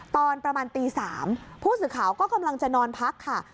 ตอนประมาณตี๓ผู้สื่อข่าวก็กำลังจะนอนพักค่ะ